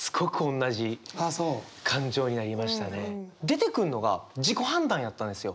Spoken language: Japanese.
出てくんのが自己判断やったんですよ。